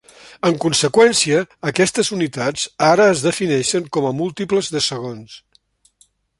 En conseqüència, aquestes unitats ara es defineixen com a múltiples de segons.